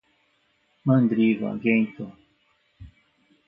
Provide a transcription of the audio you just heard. mandriva, gentoo